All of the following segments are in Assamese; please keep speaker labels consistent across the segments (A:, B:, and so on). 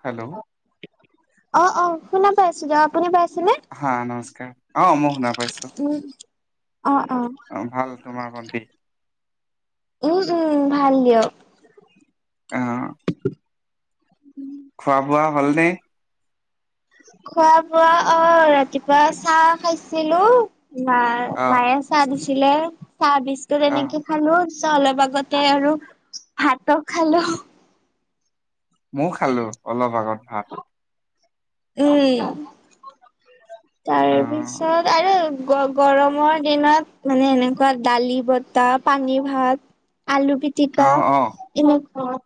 A: হেল্ল'।
B: অ', অ'শুনা পাইছো দিয়ক আপুনি পাইছেনে?
A: হা নমস্কাৰ। অ', মই শুনা পাইছো
B: উম।
A: অ', ভাল তোমাৰ ভন্তি।
B: উম, উম ভাল দিয়ক।
A: অ'। খোৱা বোৱা হ'ল নে?
B: খোৱা বোৱা অ', ৰাতিপুৱা চাহ খাইছিলো মা
A: আহ
B: মায়ে চাহ দিছিলে চাহ বিস্কুট
A: আহ
B: এনেকে খালো। অলপ আগতে আৰু ভাতো খালো।
A: মই খালো অলপ আগত ভাত।
B: উম, তাৰপিছত
A: আহ
B: তাৰপিছত আৰু গ-গৰমৰ দিনত মানে এনেকুৱা দালি বটাাহ পানী ভাত। আলু পি
A: অ', অ'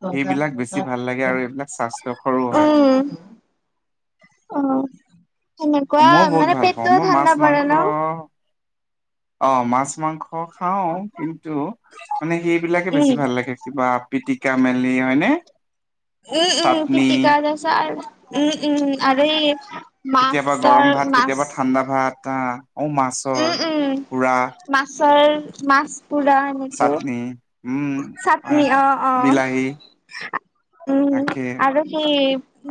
A: সেইবিলাক বেছি ভাল লাগে আৰু এইবিলাক স্বাস্থ্যকৰৰো হয়।
B: উম, অ', সেনেকুৱা
A: মইও বহুত
B: মানে
A: ভাল পাওঁ
B: পেটটোও
A: মই মাছ
B: ঠাণ্ডা পৰে
A: মাংস
B: ন?
A: অ', মাছ, মাংস খাও কিন্তু মানে সেইবিলাকে বেছি ভাল লাগে। কিবা পিটিকা মেলি হয়নে।
B: উম, উম
A: চাটনি
B: কিতি কা ত আ চ উম উম, উম আৰু
A: কেতিয়াবা
B: মাছৰ
A: গৰম ভাত,
B: মাছ
A: কেতিয়াবা ঠাণ্ডা ভাত অ অ', মাছ।
B: উম, উম মাছৰ মাছ পোৰা। কে
A: চাটনি উম হয়
B: চাটনি
A: হয়
B: অ', অ'।
A: বিলাহী
B: উম
A: তাকে
B: আৰু সেই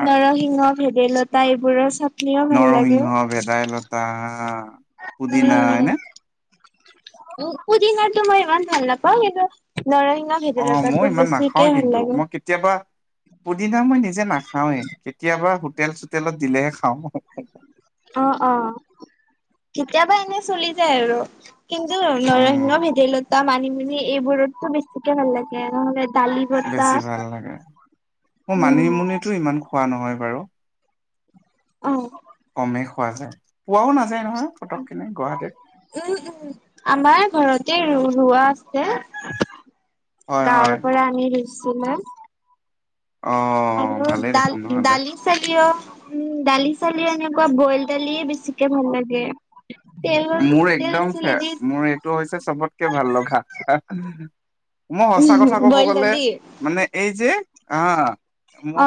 A: আৰু
B: নৰসিংহ ভেদাইলতা এইবোৰৰ চ
A: নৰসিংহ, ভেদাইলতা, পুদিনা হয় নে।
B: উম, পুদিঙটো মই ইমান ভাল নাপাওঁ কিন্তু নৰসিংহ
A: অ
B: ভেদাইলতা
A: মই
B: টো
A: ইমান
B: বেছিকে
A: নাখাও
B: ভাল
A: কিন্তু
B: লাগে।
A: মই কেতিয়াবা পুদিনা মই নিজে নাখাওৱে কেতিয়াবা। তেল চোতেলত দিলেহে খাওঁ।
B: অ', অ' কেতিয়াবা এনে চলি যায় আৰু। কিন্তু
A: উম
B: নৰসিংহ ভেদাইলতা মানি মেলি এইবোৰতটো বেছিকে ভাল লাগে নহলে। দালি বতা
A: বেছি ভাল লাগে ম
B: উম
A: মানিমুনিতো ইমান খোৱা নহয় বাৰু।
B: অ'।
A: কমেই খোৱা যায় পোৱাও নাযায় নহয় ফটক খিনি গুৱাহাটীত।
B: উম, উম আমাৰ ঘৰতে ৰ ৰোৱাা আছে।
A: হয় হয়
B: গাঁৱৰ পৰা আনি ৰুইছিলে।
A: অ
B: আৰু
A: ভালেই দেখোন
B: ডাল
A: নহ'লে
B: ডালি চি উম দালি চালি এনেকুৱা বইল দালিয় বেছিকে ভাল লাগে। তেল
A: মোৰ
B: তেল
A: একদমে
B: চেলেদি
A: মোৰ এইটো হৈছে চবতকে ভাল লগা। মই সচা কথা কব
B: বইল
A: গলে,
B: দালি
A: মানে এই যে, আহ।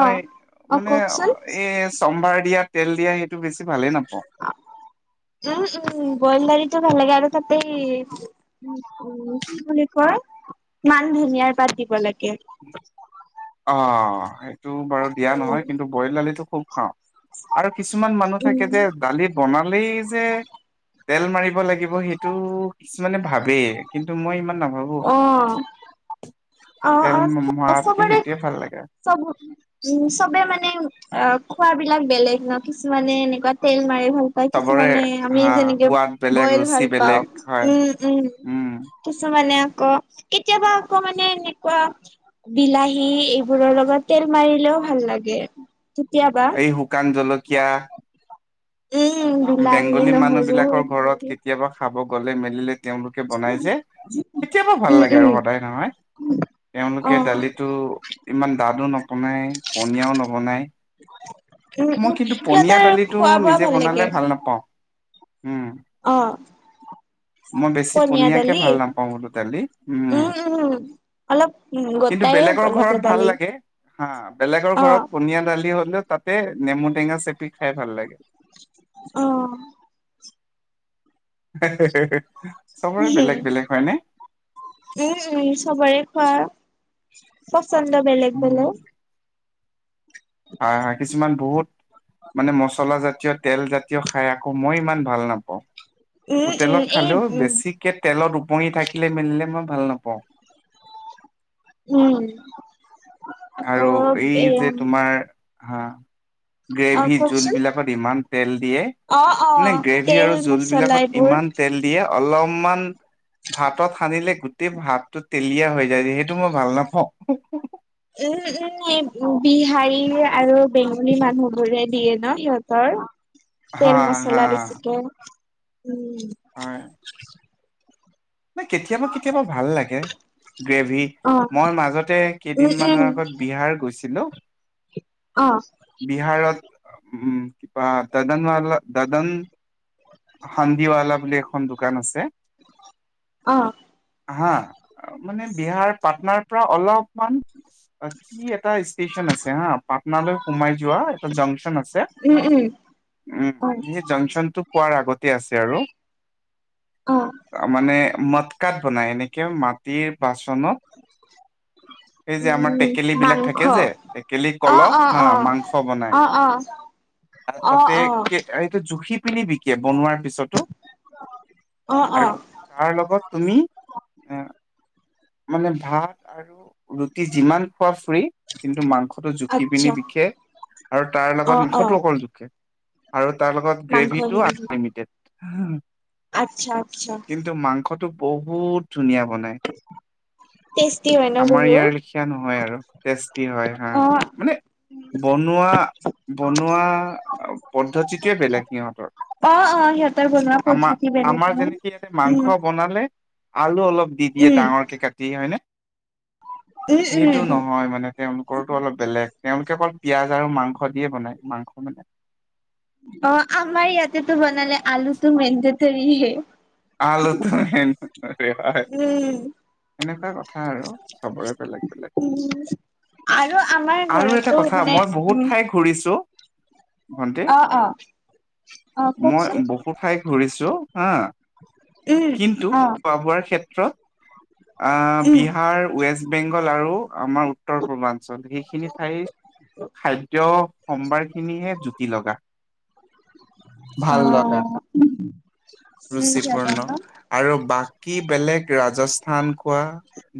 B: অ অ
A: মানে,
B: কওকচোন
A: এই চম্ভাৰ দিয়া তেল দিয়া সেইটো বেছি ভালে নাপাওঁ।
B: উম উম, বইল দাৰিটোো ভাল লাগে আৰু তাতে কি বুলি কয়, মান ধুনিয়াৰ পাত দিব লাগে।
A: অ'। টো বাৰু দিয়া নহয় কিন্তু বইল দালিটো খুব খাওঁ, আৰু কিছুমান মানুহ
B: উম
A: থাকে যে দালি বনালেই যে, তেল মাৰিব লাগিব সেইটো কিছুমানে ভাবেই কিন্তু মই ইমান নাভাবো।
B: অ'
A: তেল
B: অ'
A: মৰাতকে
B: চবৰে
A: সেইটোৱে ভাল লাগে
B: চব উম চবে, মানে অ' খোৱাবলাক বেলেগ ন কিছুমানে এনেকুৱা তেল মাৰি ভাল ত
A: চবৰে
B: কিছুমানে আমি
A: হা
B: যেনেকে
A: সোৱাদ বেলেগ
B: বইল
A: ৰুচি
B: ভাল পাওঁ,
A: বেলেগ হয়
B: উম উম। কিছু মানে আক কেতিয়াবা আক মানে এনেকুৱা বিলাহী এইবোৰৰ লগত তেল মাৰিলেও ভাল লাগে, কেতিয়াবা
A: এই শুকান জলকীয়া
B: উম বিলাহী
A: বেংগলী মানুহ
B: নহৰু
A: বিলাকৰ
B: এইবোৰ
A: ঘৰত কেতিয়াবা খাব গলে মেলিলে তেওঁলোকে বনাই যে, কেতিয়াবা
B: উম
A: ভাল লাগে
B: উম
A: আৰু, সদায় নহয়।
B: অ
A: তেওঁলোকে
B: উম
A: দালিতো ইমান দাঠো নবনায়, পনীয়াও নবনায়।
B: [inaudible]
A: মই
B: উম
A: কিন্তু পনীয়া
B: সিহঁতৰ
A: দালিটো
B: খোৱা বোৱা
A: নিজে বনালে
B: লাগে
A: ভাল নাপাওঁ, উম।
B: অ'।
A: মই বেছি
B: পনীয়া
A: পনিয়াকে
B: দালি
A: ভাল নাপাওঁ বোলো দালি, উম।
B: উম। অলপ উম
A: কিন্তু
B: গোটাই হ'ব
A: বেলেগৰ
B: লাগে
A: ঘৰত ভাল
B: দালি
A: লাগে, হা বেলেগৰ
B: অ
A: ঘৰত পনীয়া দালি হ'লেও এ নেমু টেঙা চেপি খাই ভাল লাগে।
B: অ'।
A: হা হা, চবৰে বেলেগ বেলেগ হয়নে?
B: উম উম, চবৰেই খোৱা, পচন্দ বেলেগ
A: উম,
B: বেলেগ
A: হয় হয়, কিছুমান বহুত মানে মচলা জাতীয় তেল জাতীয় খাই আকৌ, মই ইমান ভাল নাপাওঁ।
B: উম উম
A: হোটেলত
B: এই
A: খালেও
B: উম
A: বেছিকে তেলত ওপঙি থাকিলে মেলিলে মই ভাল নাপাওঁ।
B: উম। অ
A: আৰু
B: এয়া
A: এইযে তোমাৰ, আ
B: অ
A: গ্ৰেভি জোল
B: কওকচোন
A: বিলাকত ইমান তেল দিয়ে।
B: অ অ
A: মানে গ্ৰেভি
B: তেল
A: আৰু জোল
B: মচলা
A: বিলাকত
B: এইবোৰ
A: ইমান তেল দিয়ে, অলপমান ভাতত সানিলে গোটেই ভাতটো তেলীয়া হৈ যায়, সেই সেইটো মই ভাল নাপাওঁ।
B: উম উম, বিহাৰী আৰু বেংগলী মানুহবোৰে দিয়ে ন সিহঁতৰ।
A: হা
B: তেল
A: হা
B: মচলা বেছিকে, উম।
A: হয়। ন কেতিয়াবা কেতিয়াবা ভাল লাগে, গ্ৰেভি,
B: অ
A: মই মাজতে
B: উম উম
A: কেইদিনমানৰ আগত বিহাৰ গৈছিলো।
B: অ'।
A: বিহাৰত, উম কিবা দাদনালা দাদন হান্দিৱালা বুলি এখন দোকান আছে।
B: অ'।
A: হা, মানে বিহাৰ পাটনাৰ পৰা অলপ
B: [inaudible]
A: কি এটা ষ্টেশচন আছে হা, পাটনালৈ সোমাই যোৱা এটা জংচন আছে।
B: উম উম
A: উম,
B: অ
A: সেই জংচনটো পোৱাৰ আগতে আছে আৰু।
B: অ'
A: মানে মদকাত বনাই এনেকে মাটিৰ বাচনত সেই যে আমাৰ
B: উম
A: টেকেল বিলাক
B: মাংস
A: থাকে যে, টেকেলি
B: অ
A: কলহ
B: অ
A: হা
B: অ
A: মাংস বনাই
B: অ অ অ
A: তাতে
B: অ
A: এইটো জুখি পিনি বিকে, বনোৱাৰ পিছতো
B: অ', অ'
A: আৰু তাৰ লগত তুমি এ মানে ভাত আৰু ৰুটি যিমান খোৱা ফ্ৰী, কিন্তু মাংসটো জুখি পিনি
B: আচ্ছা
A: বিকে আৰু তাৰ
B: অ
A: লগত
B: অ
A: মুখতো অকল জোখে আৰু তাৰ লগত
B: মাংস
A: গ্ৰেভিটো
B: বনাইছে
A: আনলিমিটেড
B: আচ্ছা আচ্ছা
A: কিন্তু মাংসতটো বহুত ধুনীয়া বনাই
B: [inaudible] টেষ্টি হয় ন
A: আমাৰ
B: বহুত
A: ইয়াৰ লেখীয়া নহয় আৰু তেষ্টি হয় হা।
B: অ
A: মানে বনোৱা, বনোৱা পদ্ধতিটোৱেই বেলেগ সিহঁতৰ
B: অ', অ, সিহঁতৰ বনোৱা পদ্ধতি বেলেগ ন।
A: সিহঁতে মাংস
B: উম
A: বনালে আলু অলপ দি দিয়ে
B: উম
A: ডাঙৰকে কাটি হয়নে?
B: উম
A: সেইটো
B: উম
A: নহয় মানে তেওঁলোকৰটো অলপ বেলেগ তেওঁলোকে অকল পিয়াজ আৰু মাংস দিয়ে বনাই মাংস খন
B: অ', আমাৰ ইয়াতেতো বনালে আলুটো মেণ্ডতাৰী
A: আলুটো মেণ্ডতৰী হয়।
B: উম
A: এনেকুৱা কথা আৰু চবৰে বেলেগ বেলেগ।
B: [unintelligible] আৰু আমাৰ
A: আৰু এটা
B: ঘৰতো
A: কথা
B: মানে
A: মই
B: উম
A: বহুত ঠাই ঘূৰিছোঁ ভন্টি,
B: অ', অ', অ', কওকচোন।
A: মই বহু ঠাই ঘূৰিছো, হা কিন্তু
B: অ', অ',
A: খোৱা বোৱাৰ ক্ষেত্ৰত আহ বিহাৰ, ৱেষ্ট বেংগল আৰু আমাৰ উত্তৰ পূৰ্বাঞ্চল সেইখিনি ঠাই খাদ্য সম্ভাৰ খিনিহে জুতি লগা। ভাল লগা
B: উম, সিহঁতৰ
A: ৰুচিপূৰ্ণ
B: ন?
A: আৰু বাকী বেলেগ ৰাজস্থান কোৱা,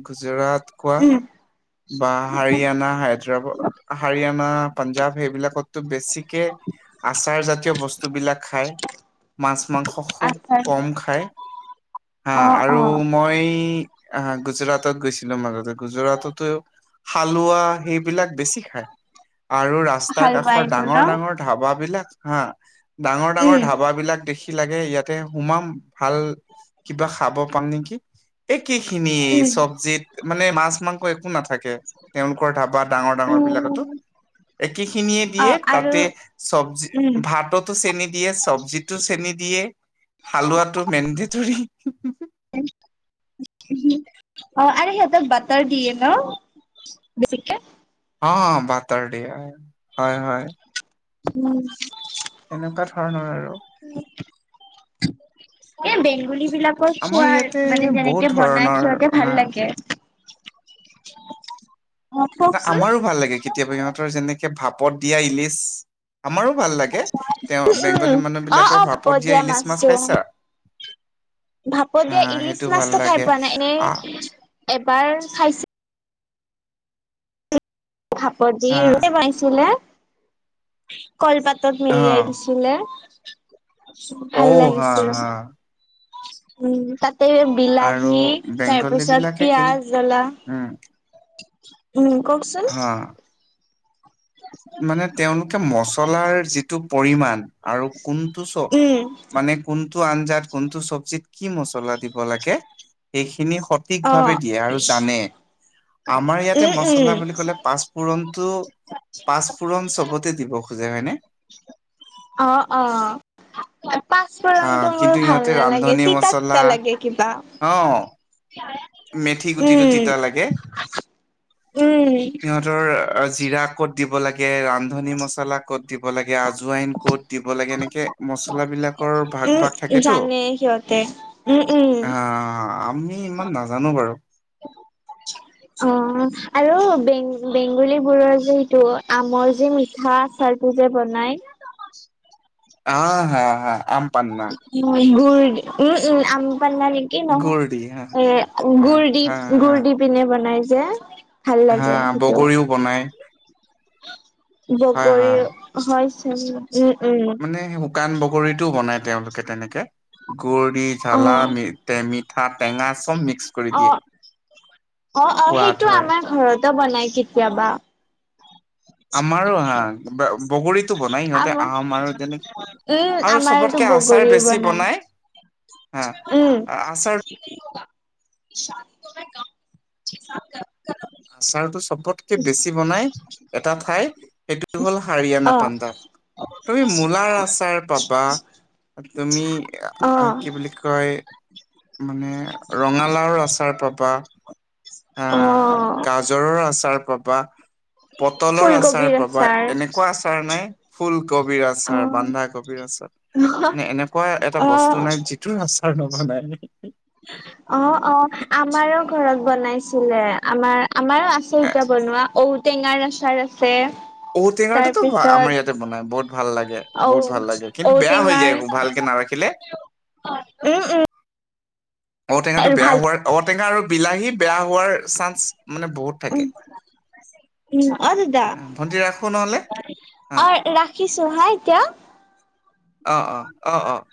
A: গুজৰাট কোৱা বা হাৰিয়ানা, হায়দৰাবাদ, হাৰিয়ানা, পাঞ্জাব সেইবিলাকত বেছিকে আচাৰ জাতীয় বস্তু বিলাক খায়। মাছ মাংস খুব
B: আচাৰ
A: কম খায়, হা
B: অ',
A: আৰু
B: অ',
A: মই অ', গুজৰাটত গৈছিলো মাজতে গুজৰাটত ত হালোৱা সেইবিলাক বেছি খায়। আৰু ৰাস্তাৰ
B: হালোৱা
A: কাষৰ
B: এইবোৰ ন?
A: ডাঙৰ ডাঙৰ ধাবাবলাক হা ডাঙৰ ডাঙৰ
B: উম,
A: ধাবাবিলাক দেখি কি লাগে ইয়াতে সোমাম ভাল কিবা খাব পাম নেকি? একে খিনি চব্জিত মানে মাছ মাংস একো নাথাকে। তেওঁলোকৰ ধাবা ডাঙৰ ডাঙৰ বিলাকতো
B: উম,
A: একে খিনিয়ে দিয়ে
B: অ', আৰু
A: তাতে চবজি
B: অ',
A: ভাতত চেনি দিয়ে চব্জিটো চেনি দিয়ে হালোৱাটো মেডেটৰী
B: অ', আৰু সিহঁতে বাটাৰ দিয়ে ন দেৰিকেই
A: অ', বাটাৰ দিয়ে হয় হয় হয়
B: উম
A: তেনেকুৱা ধৰণৰ আৰু
B: এ বেংগুলী বিলাক আকৌ
A: আমাৰ
B: খোৱাৰ
A: ইয়াতে
B: মানে
A: বহুত
B: যেনেকে বনাই
A: ধৰণৰ
B: সিহঁতে ভাল
A: হা
B: লাগে। [inaudible]
A: না
B: কওকচোন।
A: আমাৰো ভাল লাগে কেতিয়াবা ইিহঁতৰ যেনেকে ভাপত দিয়া ইলিচ। আমাৰো ভাল লাগে তেওঁ
B: উম,
A: বেংগলী মানুহ
B: অ',
A: বিলাকৰ
B: অ',
A: ভাপত দিয়া ইলিচ মাছ
B: মাছটো।
A: খাইছে?
B: ভাপত দিয়া ইলিচ
A: সেইটো ভাল
B: মাছটো খাই
A: লাগে
B: পোৱা নাই এনে
A: আহ
B: এবাৰ খাইছো। ভাপত দিয়ে
A: আহ
B: এনেকে বনাই চিলে। কল পাতত মেলিয়াই
A: আহ
B: দিছিলে।
A: ঔ
B: ভাল
A: হা
B: লাগিছিল,
A: হা
B: উম তাতে
A: আৰু
B: বিলাহী তাৰ
A: বেংগলী
B: পিছত
A: বিলাকে
B: পিয়াজ,
A: কিন্তু
B: জ্বলা।
A: উম।
B: উম, কওকচোন।
A: হা মানে তেওঁলোকে মচলাৰ যিটো পৰিমান আৰু কোনটো চ
B: উম
A: মানে কোনটো আঞ্জাত কোনটো চব্জিত কি মছলা দিব লাগে সেইখিনি সত সঠিক
B: অ
A: ভাৱে দিয়াৰ আৰু জানে, আমাৰ ইয়াতে
B: উম উম
A: মচলা বুলি কলে পাঁচফোৰণটো। পাঁচফোৰণ চবতে দিব খোজে হয়নে
B: অ', অ'।
A: [inaudible] অ'
B: পাঁচফোৰণটো মোৰ
A: কিন্তু
B: ভাল
A: সিহঁতে
B: নালাগে
A: ৰান্ধনী
B: তিতা
A: মছলা
B: তিতা লাগে কিবা।
A: অ' মেথি গুটিটো তিতা
B: উম,
A: লাগে।
B: উম।
A: সিহঁতৰ জিৰা ক'ত দিব লাগে ৰান্ধনী মছলাক ক'ত দিব লাগে আজ আইন ক'ত দিব লাগে এনেকে মচলা বিলাক।
B: উম, জানে সিহঁতে উম, উম।
A: অ', আমি ইমান নাজানো বাৰু।
B: অ', আৰু বেং বেংগুলী বোৰৰ যিটো আমৰ যি মিঠা। আচাৰ টোযে বনাই।
A: অ', হা, হা আম পান।
B: উ গুড উ উম আম পান্না কি নহও
A: গুৰ দি হা
B: এ
A: হা
B: গুুৰ দি
A: হা
B: গুুৰ
A: হা
B: দি পিনে বনাই যে। ভাল
A: হা
B: লাগে সেইটো।
A: বগৰীও বনাই। হয়
B: বগৰী
A: হয়।
B: হৈছে উম, উম।
A: মানে শুকান বগৰীতটোও বনাই তেওঁলোকে তেনেকে গুৰ দি জালা
B: উম
A: মিঠাই। মিঠা টেঙা চব মিক্স কৰি
B: অ অ
A: দিয়ে।
B: অ',
A: সোৱাদ
B: অ'সেইটো
A: হয়।
B: আমাৰ ঘৰতো বনাই কেতিয়াবা।
A: আমাৰো হা বগৰীত। বনাই সিহঁতে
B: আমাৰ
A: আম আৰু তেনেকে
B: উম
A: আৰু
B: আমাৰতো
A: চবতকে আচাৰ
B: বগৰীৰ
A: বেছি বনাই। হা
B: উম।
A: আচাৰ আচাৰতটো চবতকে বেছি বনাই এটা ঠাই। সেইটো হ'ল হাৰিয়ানা
B: অ
A: পাঞ্জাৱ তুমি মূলা আচাৰ পাবা। তুমি কি
B: অ
A: বুলি? কি বুলি কয় মানে ৰঙালাও আচাৰ পাবা।
B: অ
A: আহ গাজৰৰ আচাৰ পাবা। পটলৰ আচাৰ
B: ফুলকবিৰ
A: পাবা
B: আচাৰ
A: এনেকুৱা আচাৰ নাই। ফুলকবিৰ আচাৰ বন্ধাকবিৰ আচাৰ নে এনেকুৱা এটা
B: অ
A: বস্তু
B: অ
A: নাই যি আচাৰ নব নাই নে।
B: [inaudible] অ', অ' আমাৰো ঘৰত বনাইছিলে আমাৰ আমাৰো আছে এতিয়া বনোৱা ঔ টেঙাৰ আচাৰ আছে।
A: ঔটেঙা টো
B: তাৰপিছত
A: আমাৰ ইয়াতে বনাই বহুত ভাল লাগে।
B: ঔ
A: বহুত ভাল লাগে কিন্তু বেয়া হৈ
B: ঔটেঙাৰ
A: যায় এক ভালকে নাৰাখিলে।
B: উম, উম।
A: ঔ টেঙাটো বেয়া
B: ভাল
A: হোৱাৰ ঔ টেঙা আৰু বিলাহী বেয়া হোৱাৰ চান্স মানে বহুত
B: উম,
A: থাকে।
B: উম, অ' দাদা,
A: ভন্টি ৰাখো নহ'লে
B: অ' ৰাখিছোঁ হা এতিয়া।
A: অ', অ', অ', অ'।